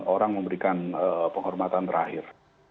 orang memberikan penghormatan terakhir